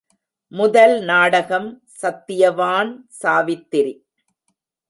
முதல் நாடகம் சத்தியவான் சாவித்திரி.